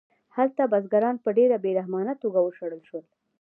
هلته بزګران په ډېره بې رحمانه توګه وشړل شول